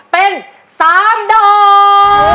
เป็น๓ดอก